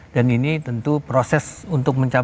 dan ini tentu proses untuk mencapai itu